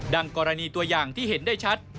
กรณีตัวอย่างที่เห็นได้ชัด